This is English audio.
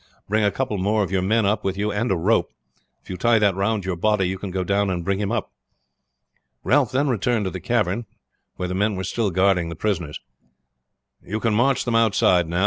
Bring a couple more of your men up with you and a rope. If you tie that round your body you can go down and bring him up." Ralph then returned to the cavern, where the men were still guarding the prisoners. "You can march them outside now," he said.